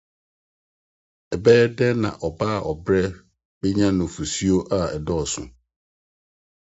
Ɛbɛyɛ den sɛ ɔbea a ɔbrɛ benya nufusu a ɛdɔɔso.